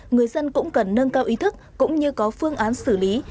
người dân cũng cần nâng cao ý thức cũng như có phương án xử lý